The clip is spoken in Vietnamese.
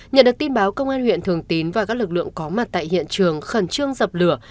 nhận được tin báo công an huyện thường tín và các lực lượng có mặt tại hiện trường khẩn trương dập lửa